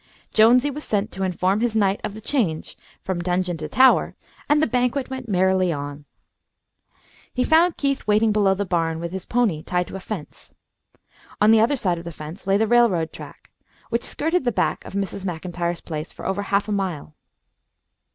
Jonesy was sent to inform his knight of the change from dungeon to tower, and the banquet went merrily on. He found Keith waiting below the barn, with his pony tied to a fence. On the other side of the fence lay the railroad track, which skirted the back of Mrs. MacIntyre's place for over half a mile.